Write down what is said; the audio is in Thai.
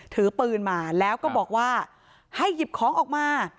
ถือปืนมาแล้วก็บอกว่าให้หยิบของออกมา